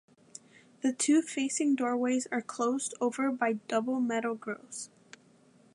The two facing doorways are closed over by double metal grills.